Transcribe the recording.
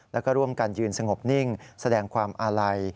แล้วก็ร่วมกันยืนสงบนิ่งแสดงความอาลัย